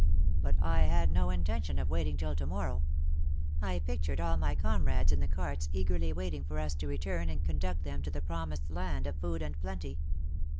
But I had no intention of waiting till to morrow. I pictured all my comrades in the carts eagerly waiting for us to return and conduct them to the promised land of food and plenty.